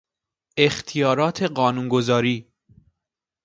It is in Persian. اختیارات قانونگذاری